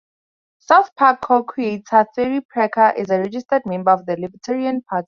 "South Park" co-creator Trey Parker is a registered member of the Libertarian Party.